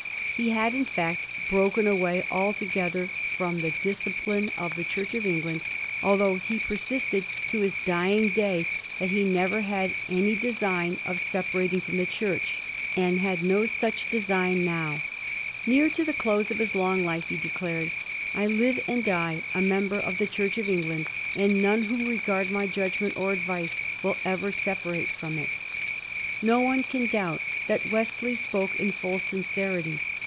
He had, in fact, broken away altogether from the discipline of the Church of England, although he per sisted to his dying day that he never had any design of 142 A HISTORY OF THE FOUR GEORGES. cn.xxr. separating from the Church, ''and had no such design now." Near to the close of his long life he declared, "I live and die a member of the Church of England, and none who regard my judgment or advice will ever separate from it" No one can doubt that Wesley spoke in full sincerity.